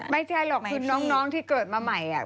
ไม่ใช่หรอกคือน้องที่เกิดมาใหม่